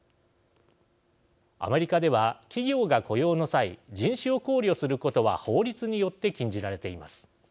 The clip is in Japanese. アメリカでは企業が雇用の際人種を考慮することは法律によって禁じられています。